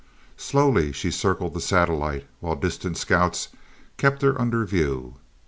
Slowly she circled the satellite, while distant scouts kept her under view.